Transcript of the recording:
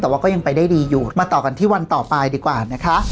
แต่ว่าก็ยังไปได้ดีอยู่มาต่อกันที่วันต่อไปดีกว่านะคะ